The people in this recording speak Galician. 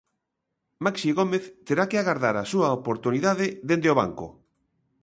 Maxi Gómez terá que agardar a súa oportunidade dende o banco.